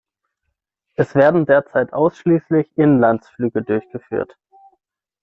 Es werden derzeit ausschließlich Inlandsflüge durchgeführt.